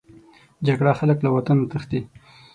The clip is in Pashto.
جګړه خلک له وطنه تښتي